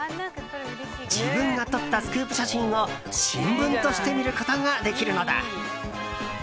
自分が撮ったスクープ写真を新聞として見ることができるのだ。